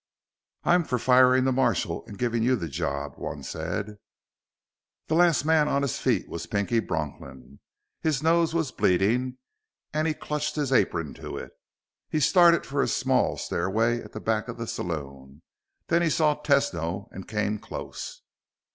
"I'm for firin' the marshal and givin' you the job!" one said. The last man on his feet was Pinky Bronklin. His nose was bleeding, and he clutched his apron to it. He started for a small stairway at the back of the saloon, then he saw Tesno and came close.